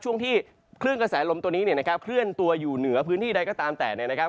ช่วงที่คลื่นกระแสลมตัวนี้เนี่ยนะครับเคลื่อนตัวอยู่เหนือพื้นที่ใดก็ตามแต่เนี่ยนะครับ